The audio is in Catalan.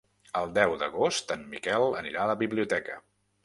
El deu d'agost en Miquel anirà a la biblioteca.